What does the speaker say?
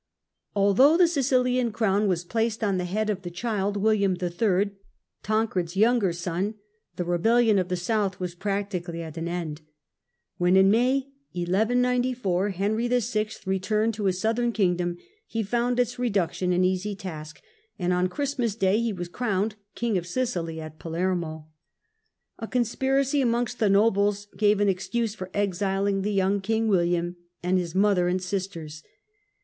Although the Sicilian crown was placed on the head of the child William IIL, Tancred's younger son, the rebellion of the South was practically at an end. When, in May 1194, Henry VL returned to his southern kingdom, he found its reduction an easy task, and on Christmas Day he was crowned King of Sicily at Palermo. A conspiracy amongst the nobles gave an excuse for exiling the young King William and his mother and sisters.